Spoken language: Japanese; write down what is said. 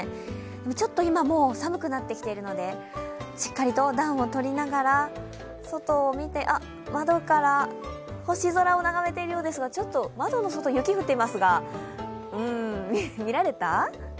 ちょっと今、もう寒くなってきているのでしっかりと暖をとりながら外を見て、あっ、窓から星空を眺めているようですが、ちょっと窓の外、雪が降っていますがうーん、見られた？